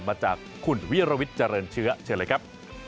มาจากคุณวิรวิทย์เจริญเชื้อเชิญเลยครับ